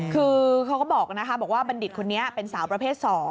คือเขาก็บอกนะคะบอกว่าบัณฑิตคนนี้เป็นสาวประเภท๒